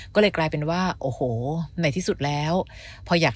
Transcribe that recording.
ก็เลยกลายเป็นว่าโอ้โหไหนที่สุดแล้วพออยากได้ความจริงใจ